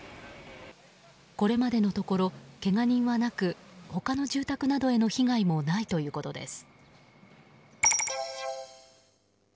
これまでのところけが人はなく他の住宅などへの被害もないということです。